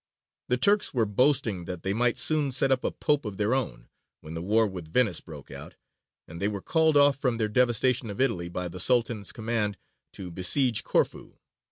The Turks were boasting that they might soon set up a Pope of their own, when the war with Venice broke out, and they were called off from their devastation of Italy by the Sultan's command to besiege Corfu.